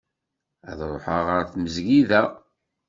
Ad ruḥeɣ ɣer tmezgida.